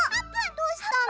どうしたの？